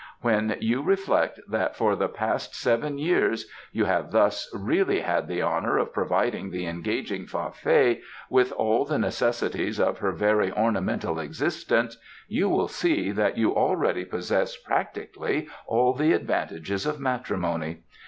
When you reflect that for the past eleven years you have thus really had the honour of providing the engaging Fa Fei with all the necessities of her very ornamental existence you will see that you already possess practically all the advantages of matrimony.